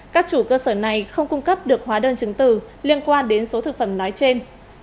các chủ cơ sở này không cung cấp được hóa đơn chứng từ liên quan đến số thực phẩm nói trên